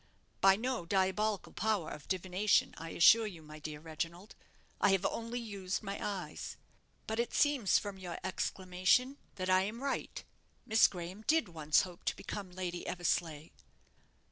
"By no diabolical power of divination, I assure you, my dear Reginald. I have only used my eyes. But it seems, from your exclamation, that I am right. Miss Graham did once hope to become Lady Eversleigh."